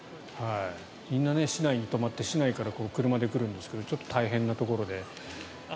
みんな市内に泊まって市内から車で来るんですけどちょっと大変なところで。